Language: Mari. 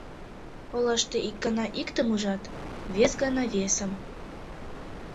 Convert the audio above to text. Олаште ик гана иктым ужат, вес гана весым.